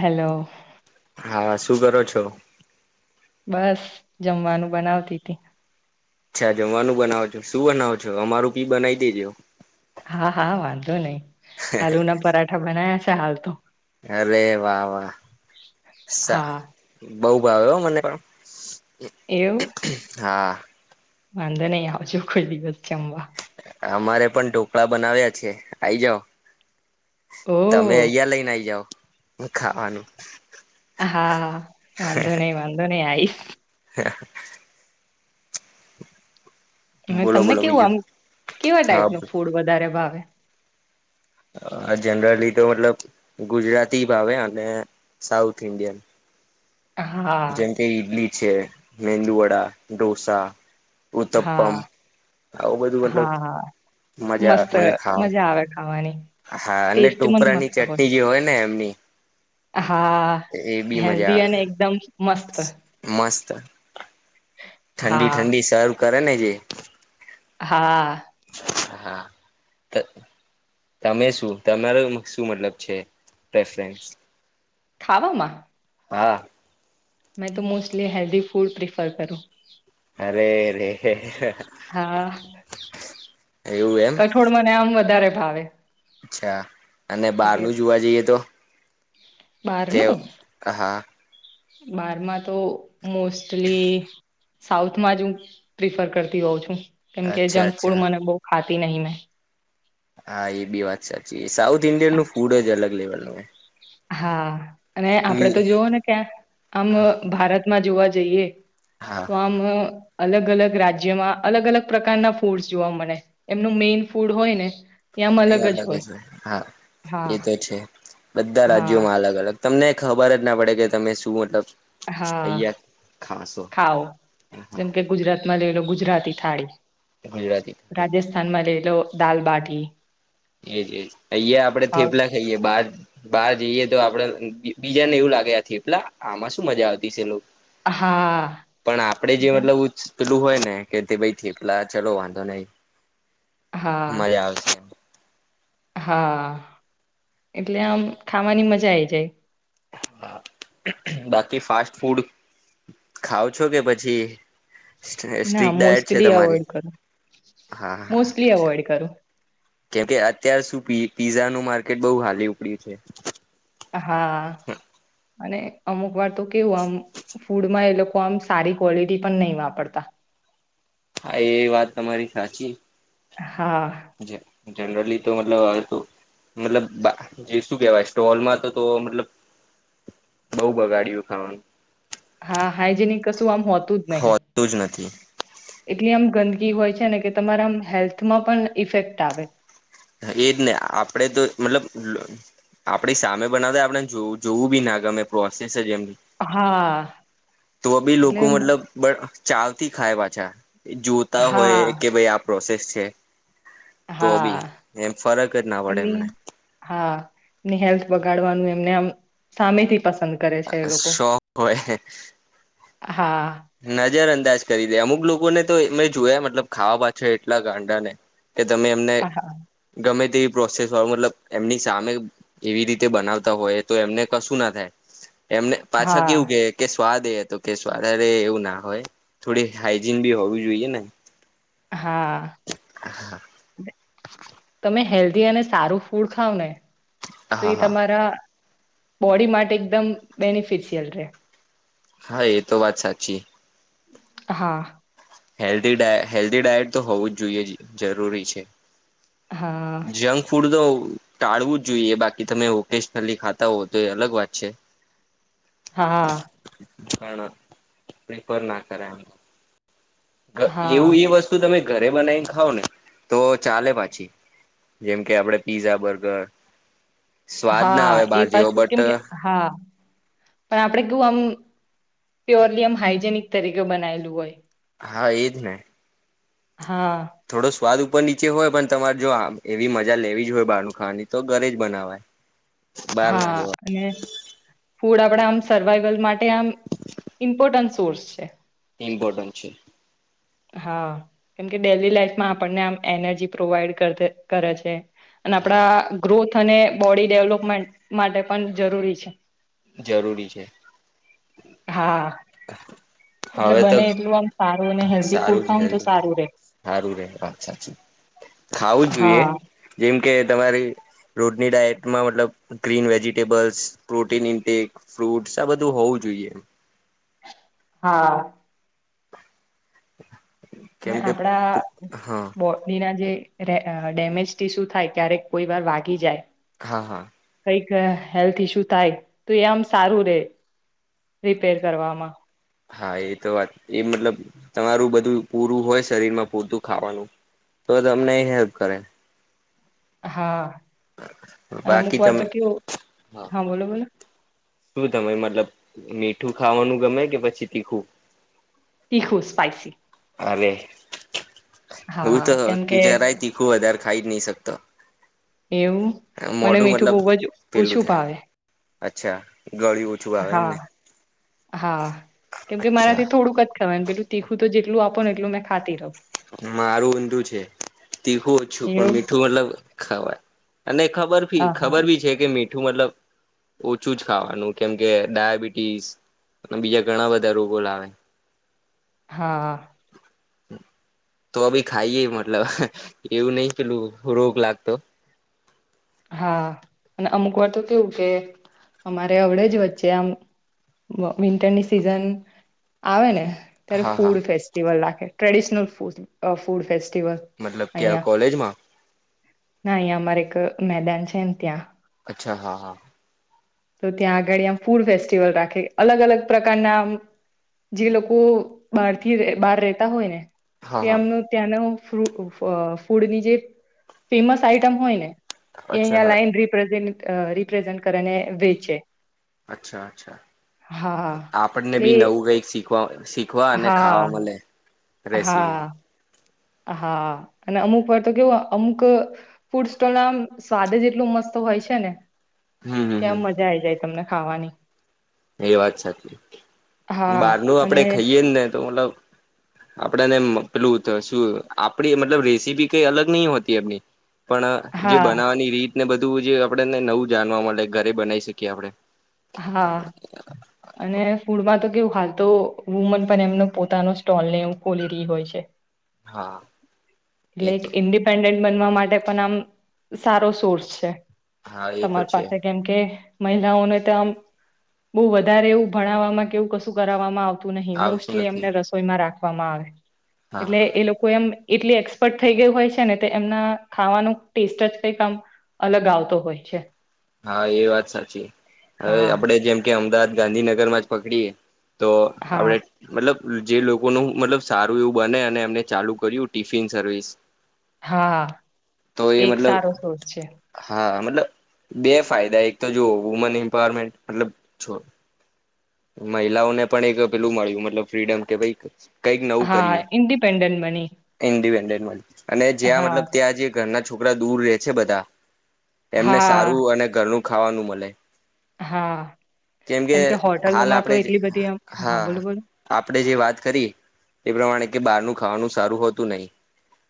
Hello હા શું કરો છો? બસ જમવાનું બનાવતી તી. અચ્છા જમવાનું બનાવો છો, શું બનાવો છો અમારું બી બનાવી દેજો. હા હા વાંધો નહી, આલુ ના પરાઠા બનાયા છે હાલ તો. અરે વાહ વાહ સા હા બહ ભાવે હો મને પણ, એવું હા. વાંધો નહી આવજો કોઈ દિવસ જમવા. અમારે પણ ઢોકળા બનાવ્યા છે આઈ જાવ. તમે ઓહ અહિયા લઈ ન આઈ જાઓ. ખાવાનું હા વાંધો નહી વાંધો નહી આઈશ. [inaudible] અને બોલો તમને બોલો કેવું બીજું આમ કેવા હા ટાઈપનું ફૂડ વધારે ભાવે. અ જનરલી તો મતલબ ગુજરાતી ભાવે અને સાઉથ ઇન્ડિયન જેમ હા કે ઈડલી છે, મેંદુવડા, ઢોસા હા ઉત્તપમ આવું બધું મતલબ હા મજા મસ્ત મને ખાવ મજા આવે ખાવાની હા, અને ટેસ્ટ મન ટોપરાની મસ્ત ચટણી જે હોય ને એમની હા, એ બી મજા હેલ્ધી અને એકદમ મસ્ત. ચ ઠંડી હા ઠંડી સર્વ કરે ને જે હા. હા આ. તો તમે શું? તમારો મ શું મતલબ છે, પ્રેફરન્સ? ખાવામાં? હા. મેં તો મોસ્ટલી હેલ્ધી ફૂડ પ્રિફર કરું. અરે રે હે હ હ. હા કઠોળ મને આમ વધારે ભાવે. અચ્છા અને કારણ બાર કે નું જુવા જઈએ તો? કેવ અહા બારમાં તો, મોસ્ટલી સાઉથમાં જ હું, પ્રિફર કરતી હોઉં છું. એમકે, અચ્છા જંક ફૂડ અચ્છા મને બોવ ખાતી નહિ મેં. હા, એ બી વાત સાચી. સાઉથ ઇન્ડિયન નું ફૂડ જ અલગ લેવલનું હોય. હા, અને આપડે તો જોવો ને ક્યાં? આમ અહ ભારતમાં જોવા જઈએ હા તો આમ અલગ અલગ રાજ્યમાં અલગ અલગ પ્રકારનાં ફૂડ્સ જોવા મળે. એમનું મેઈન ફૂડ હોય ને આમ એ જ અલગ અજ હોય રહે હા, હા એ તો છે. બધાં હા રાજ્યોમાં અલગ અલગ તમને ખબર જ ના પડે કે તમે શું મટલબ હા, ખાવ. એમ કે ગુજરાત માં લઈ લો ગુજરાતી થાળી, ગુજરાતી રાજસ્થાન માં લઈ લો દાલબાટી. એજ એજ અહીંયા આપડે સાઉથ થેપલા ખઈએ, બાર બાર જઈએ તો આપડે અહ ગી બીજા ને એવું લાગે આ થેપલાં? આમાં શું મજા આવતી સે લોક હા પણ, આપડે જે એટલે મતલબ ઉત્સ પેલું હોય ને કે તે ભઈ થેપલાં, ચલો વાંધો નહી. હા મજા આવશે એમ. હા, એટલે આમ, ખાવાની મજા આઈ જાય. હા, બાકી ફાસ્ટ ફૂડ ખાવ છો કે પછી ના, સ્ટ્રીક ડાયટ છે મોસ્ટલી તમારી એવોઈડ કરુ. મોસ્ટલી અવોઈડ કરુ. કેમ કે અત્યાર શું પી પીઝા નું માર્કેટ બોવ હાલી ઉપડ્યું છે. હા, અને અમુક વાર તો કેવું આમ ફૂડમાં એ લોક કોમ સારી કોલીટી પણ નઈ વાપરતાં. હા, એ વાત તમારી સાચી હા જે જનરલી તો મતલબ અ તો મતલબ બા જે શું કેવાય સ્ટોલમાં તો તો મતલબ બોઉ બગાડ્યું ખાવાનું તો આમ હોતું જ નહીં, હોતું જ નથી એટલી આમ ગંદ ઈ હોય છે ને કે તમારા મ હેલ્થમાં પણ ઈફેક્ટ આવે. હા, એજ ને આપડે તો મતલબ, લ આપડી સામે બનાવે આપણે જો જોવું બી ના ગમે પ્રોસેજ અ હા તો બી લોકો એટલે મતલબ બ ચાવથી ખાય પાછાં, ઈ જોતાં હોય હા કે ભઈ આપ પ્રોસેસ છે તો બી, હા એમ ફરક જ ના પડે એમને. ને હેલ્થ બગાળવાનું એમને આમ સામેથી પસંદ કરે છે એ લોકો. શોખ હોય હા. જ્યારે અંદાજ કરી દે અમુક લોકોને તો એ મેં જોયા મતલબ ખાવા પાછળ એટલાં ગાંડા ને કે તમે એમને હા ગમે જ તે પ્રોસેસ વાળ મટલબ, એમની સામે એવી રીતે બનાવતાં હોય તો એમને કશું ના થાય. એમને પાછાં કેવું હા કે કે સ્વાદ એ હતો કે સ્વાદજ અરે એવું ના હોય થોડી હાઈજીન બી હોવીું જોઈએ ને હા તમે હેલ્ધી અને સારું ફૂડ ખાવ ને તો હા એ હા તમારા બોડી માટે એકદમ બેનિફિશિયલ રહે હા એ તો વાત સાચી. હા હેલ્ધ ડ હેલ્ધી ડાયટ તો હોવું જ જોઈએ જરૂરી છે હા જંક ફૂડ તો ટાળવું જ જોઈએ બાકી તમે ઓકેશનલી ખાતા હોવ તો એ અલગ વાત છે હા પણ પ્રિફર ના કરાય આનું ક એવું હા એ વસ્તુ તમે ઘરે બનાવીને ખાવ ને તો ચાલે પાછી જેમ કે આપડે પીઝા બર્ગર સ્વાદ ના હા આવે એ બહાર જેવો પાછું બટ કેમ કે હા પણ આપડે કેવું આમ પ્યોરલી આમ હાઈજેનિક તરીકે બનાયલું હોય હા એજ ને. હા થોડો સ્વાદ ઉપર નીચે હોય પણ તમારે જો આ એવી મજા લેવી જ હોય બહાર નું ખાવાની તો ઘરે જ બનાવાય બહાર ના હા જવાય અને ફૂડ આપડા આમ સર્વાઈવલ માટે આમ ઇમ્પોર્ટન્ટ સોર્સ છે ઈમ્પોટન્ટ છે. હા કેમકે ડેલી લાઈફમાં આપણને આમ એનર્જી પ્રોવાઈડ કરે છે અને આપડા હા ગ્રોથ અને બોડી ડેવલોપમેન્ટ માટે પણ જરૂરી છે જરૂરી છે હા એટલે હવે તો બને એટલું આમ સારું અને [unintelligible] હેલ્ઘી ખાવું જ જોઈએ. હા જેમ કે તમારી રોજની ડાયટમાં મતલબ green vegetables, protein intake, fruits આ બધું હોવું જ જોઈએ. હા. [inaudible] મે કેમ કે આપડા હા બોડી ના જે રે ડેમેજ થી શું થાય ક્યારેક કોઈ વાર વાગી જાય હા, હા. કંઈક હેલ્થ ઇસ્યુ થાય, તો એ આમ સારું રહે, રિપેર કરવામાં. હા એ તો વાત, એ મતલબ તમારું બધું પૂરું હોય શરીર માં પૂરતું ખાવાનું તો તમને એ હેલ્પ કરે. હા. અને અમુક બાકી વાર તો તમે કેવું, હા બોલો-બોલો. શું તમે મતલબ મીઠું ખાવાનું ગમે કે પછી તીખું? તીખું સ્પાઈસી. અરે, હું હા તો કેમ કે જરાય તીખું વધારે ખાઈ જ નહીં શકતો. એવું મને મોઢું મીઠું મતલબ બહુ જ પહેલું ઓછું થાય, ભાવે અચ્છા. ગળ્યું ઓછું આવે હા, એમને હા. કેમકે અચ્છા મારાથી થોડુંક જ [unintelligible] પહેલું તીખું તો જેટલું આપો ને એટલું મે ખાતી રહું. મારું ઊંધું છે. તીખું ઓછું પણ એવું મીઠું મતલબ ખવાય. અને ખબર હા ભી હા ખબર બી છે કે મીઠું મતલબ ઓછું જ ખાવાનું, કેમ કે ડાયાબિટીસ અને બીજા ઘણા બધા રોગો લાવે. હા. [inaudible] તો ભી ખાઈએે મતલબ એવું નહ પેલું રોગ લાગતો. હા અને અમુક વાર તો કેવું કે અમારે અડે જ વચ્ચે આમ વિન્ટરની સિઝન આવે ને. ત્યારે હા હા ફૂડ ફેસ્ટિવલ રાખે ટ્રેડિશનલ ફ ફૂડ ફ મતલબ કે આ કોલેજમાં? ના અહીં અમારે એક મેદાન છે ને ત્યાં. અચ્છા હા હા. તો ત્યાં આગળ આમ ફૂડ ફેસ્ટિવલ રાખે અલગ અલગ પ્રકારનામ જે લોકો બહાર થી બહાર રેતા હોય ને. તે હા હા આમનું ત્યાંનો ફ ફૂડની જે ફેમસ આઈટમ હોય ને. એ અચ્છા અહંયા હા લાઈન રિપ્રેઝ રિપ્રેઝેન્ટ કરને વેચે. અચ્છા અચ્છા હા આપણને એટલે બી નવું કઈક શીખવા શીખવા અને ખાવા હા મળે રેસીપી. હા હા અને અમુક, વાર તો કેવું અમુક ફૂડ સ્ટોલ ના સ્વાદ જ એટલોું મસ્ત તો હોય છે, ને હમ હમ કેમ હમ મજા આઈ જાય તમને ખાવાની. એ વાત સાચી, હા બહારનું આપડે અને ખાઈએ ને તો મતલબ આપડને પેલું શું આપડી મતલબ રેસીપી કઈ અલગ નહ હોતી એમની. પણ જે હા બનાવવાની રીતને બધું જે આપણેને નવું જાણવા મળે ઘરે બનાવી શકીએ આપણે. હા. [inaudible] અને ફૂડમાં તો કેવું હાલ તો વુમન પણ એમનો પોતાનો સ્ટોલ ને એવ ખોલી રહી હોય છે. હા એટલે એ એક તો ઇન્ડિપેન્ડન્ટ બનવા માટે પણ આમ, સારો સોર્સ છે હા એ તો તમાર છે પાસે કેમકે. મહિલાઓને તો આમ, બહુ વધારે એવું ભણાવવામાં કે એવું કશું કરાવવામાં આવ ન આવતું મોલી નથી એમને રસોઈમાં રાખવામાં આવે, હા એટલે એ લોકો એમ એટલી એક્સપર્ટ થઈ ગયું હોય છે ને એમના ખાવાનું ટેસ્ટ જ કઈક આમ અલગ આવતો હોય છે. હા એ વાત સાચી, હવે હા આપડે જેમ કે અમદાવાદ ગાંધીનગર માં જ પકડીએ. તો હા આપડે મતલબ જે લોકોનું મતલબ સારું એવું બને અને એમને ચાલુ કર્યું ટિફિન સર્વિસ. હા તો એ એક મતલબ સારો સોર્સ છે હા. મતલબ બે ફાયદા એક તો જોઓ વુમન એમ્પાવરમેન્ટ મતલબ છો મહિલાઓને પણ એક પેલું મળ્યું મતલબ ફ્રીડમ કે ભઈ કંઈક નવું કરીએ, હા ઇન્ડિપેન્ડન્ટ બની ઇન્ડિપેન્ડ. મ અને જ્યાં હા મતલબ ત્યાં જે ઘરના છોકરા દૂર રે છે બધા એમને હા સારું અને ઘરનું ખાવાનું મલે. હા. એમ કે હોટ હાલ આપડે જે હા આપડે જે વાત કરી એ પ્રમાણે કે બહારનું ખાવાનું બહુ સારું હોતું નહીં.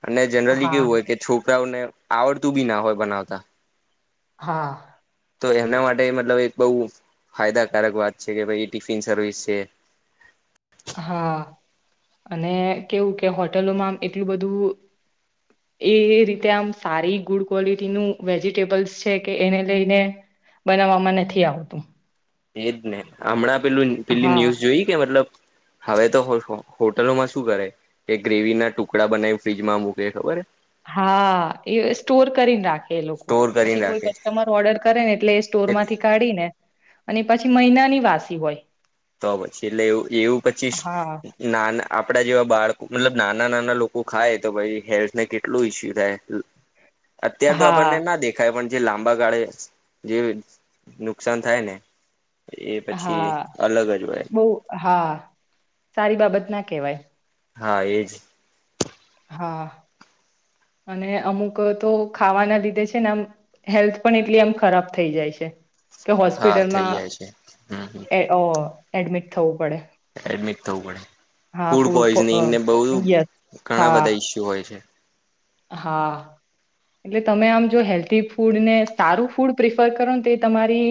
અને જેનેરલી હા કેવું હોય કે છો કરાઓને આવડતું બી ના હોય બનાવતા. હા. તો એમના માટે મતલબ એક બહુ ફાયદાકારક વાત છે કે ભાઈ ટીફિન સર્વિસ છે. હા, અને કેવું કે હોટેલોમાં આમ એટલું બધું એ રીતે આમ સારી ગુડ ક્વોલિટીનું વેજીિટેબલ્સ છે કે એને લઈને બનાવામાં નથી આવતું. એજ ને હમણાં પેલું પેલી હા. ન્યુઝ જોઈ કે મતલબ હવે તો હોશ હો હોટલોમાં શું કરે કે ગ્રેવી ના ટુકડા બનાવી ફ્રીજમાં મૂકે ખબર એ? હા, એ સ્ટોર કરીને રાખે એ લોકો સ્ટોર કરીને પછી કોઈ રાખે કસ્ટમર ઓર્ડર કરે ને એટલે એ સ્ટો ટોર માંથી કાઢી ને અને પછી મહિનાની વાસી હોય. તો પછી એટલે એવું એવું પછી હા. નાન આપ આપડા જેવા બાળકો મતલબ નાના નાના લોકો ખાય તો પછી હેલ્થને કેટલું ઈસ્યુ થાય. અત્યાર તો આપણને હા ના દેખાય પણ જે લાંબા ગાળે જે નુકસાન થાય ને એ પછી હા અલગ જ હોય. બહુ હા, સારી બાબત ના કેવાય. હા, એજ. હા. અને અમુક તો ખાવાના લીધે છે ને આમ હેલ્થ પણ એટલી આમ ખરાબ થઈ જાય છે કે હા થઈ હોસ્પિટલમાં જાય છે હમ હમ એ ઓ એડમિટ થવું પડે. એડમિટ થવું પડે. હા ફૂડ પૂર પોઈઝનિંગ ને બહુ યસ ઘણા હા બધા ઈસ્યુ હોય છે. હા. એટલે તમે આમ જો હેલ્ધી ફૂડને સારું ફૂડ પ્રિફર કરો ને તો તમારી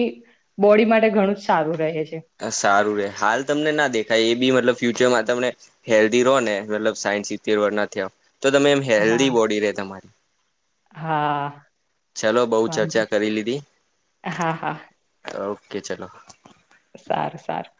બોડી માટે ઘણું જ સારું રહે છે. સારું રે હાલ તમને ના દેખાય એ બી મતલબ ફ્યુચરમાં તમે હેલ્ધી રહો ને મતલબ સાયન્સ સિતેર વર ના ત્યાં તો તમે એમ હા હેલ્ધી બોડી રે તમારી. હા. ચલો બઉુ વાંધો ચર્ચા કરી લીધી. હા હા ઓકે, ચલો. સારું સારું.